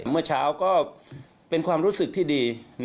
เมื่อเช้าก็เป็นความรู้สึกที่ดี